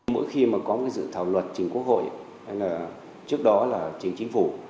mỗi khi có dự thảo luật chính quốc hội trước đó là chính chính phủ